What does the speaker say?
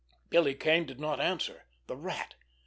Billy Kane did not answer. The Rat!